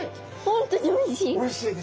本当においしい。